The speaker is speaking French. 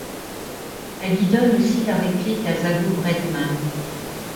Elle y donne aussi la réplique à Zabou Breitman.